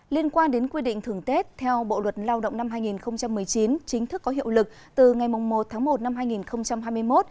liên quan đến quy định thường tết theo bộ luật lao động năm hai nghìn một mươi chín chính thức có hiệu lực từ ngày một tháng một năm hai nghìn hai mươi một